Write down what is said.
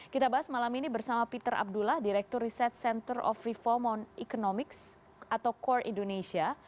kita bahas malam ini bersama peter abdullah direktur riset center of reform on economics atau core indonesia